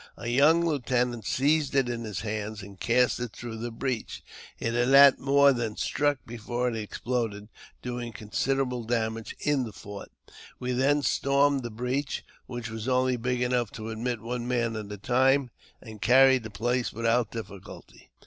A young lieutenant siezed it in his hands, and cast it through the breach ; it had not more than struck before it exploded, doing considerable damage in the fort. We then stormed the breach, which was only big enough to admit one man at a time, and carried the place without difficulty.